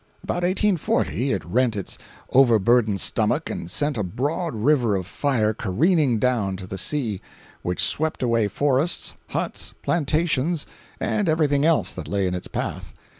About 1840 it rent its overburdened stomach and sent a broad river of fire careering down to the sea, which swept away forests, huts, plantations and every thing else that lay in its path.